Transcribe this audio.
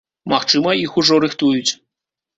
Магчыма, іх ужо рыхтуюць.